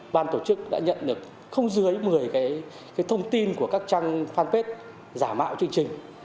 ban tổ chức đã nhận được không dưới một mươi cái thông tin của các trang fanpage giả mạo chương trình